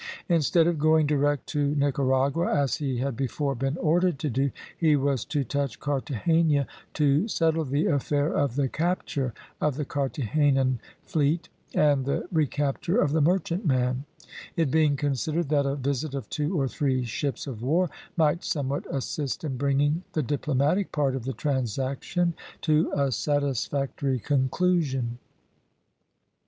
Instead of going direct to Nicaragua as he had before been ordered to do, he was to touch Carthagena to settle the affair of the capture of the Carthagenan fleet, and the recapture of the merchantman; it being considered that a visit of two or three ships of war might somewhat assist in bringing the diplomatic part of the transaction to a satisfactory conclusion.